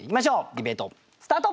ディベートスタート。